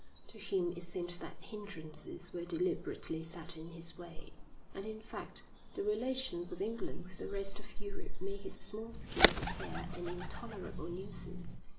To him it seemed that hindrances were deliberately set in his way, and in fact the relations of England with the rest of Europe made his small schemes appear an intolerable nuisance.